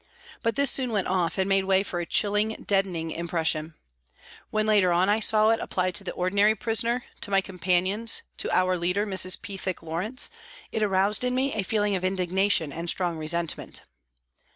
But this soon went off, and made way for a chilling, deadening impression. When later on I saw it applied to the ordinary prisoner, to my companions, to our leader, Mrs. Pethick Lawrence, it aroused in me a feeling of indignation and strong resentment.